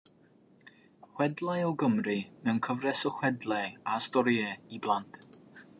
Chwedlau o Gymru, mewn cyfres o chwedlau a storïau i blant.